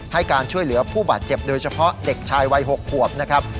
ให้การช่วยเหลือผู้บาดเจ็บโดยเฉพาะเด็กชายวัย๖ขวบนะครับ